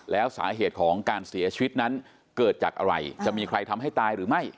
แล้วสาเหตุของการเสียชีวิตนั้นเกิดจากอะไรจะมีใครทำให้ตายหรือไม่